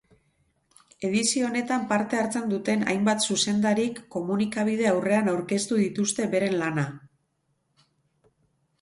Edizio honetan parte hartzen duten hainbat zuzendarik komunikabide aurrean aurkeztu dituzte beren lana.